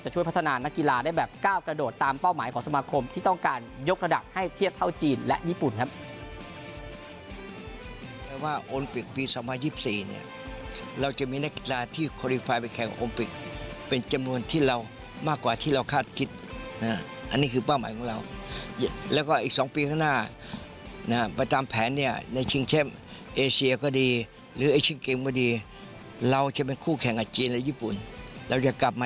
ช่วยพัฒนานักกีฬาได้แบบก้าวกระโดดตามเป้าหมายของสมาคมที่ต้องการยกระดับให้เทียบเท่าจีนและญี่ปุ่นครับ